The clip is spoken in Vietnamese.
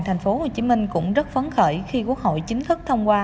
thành phố hồ chí minh cũng rất phấn khởi khi quốc hội chính thức thông qua